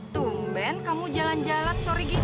tumben kamu jalan jalan sore gitu